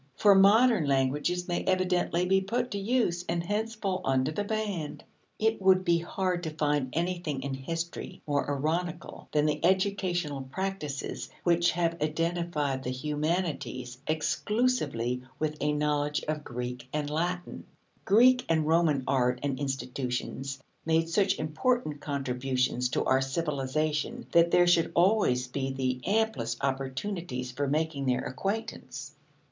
For modern languages may evidently be put to use, and hence fall under the ban. It would be hard to find anything in history more ironical than the educational practices which have identified the "humanities" exclusively with a knowledge of Greek and Latin. Greek and Roman art and institutions made such important contributions to our civilization that there should always be the amplest opportunities for making their acquaintance.